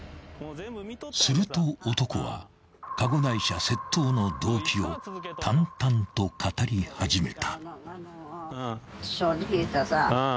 ［すると男はカゴ台車窃盗の動機を淡々と語り始めた］